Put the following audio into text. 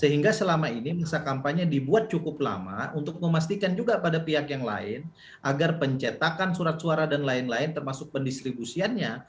sehingga selama ini masa kampanye dibuat cukup lama untuk memastikan juga pada pihak yang lain agar pencetakan surat suara dan lain lain termasuk pendistribusiannya